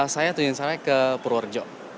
saya tunjukin saya ke purworejo